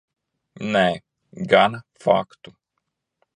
Nē, gana faktu.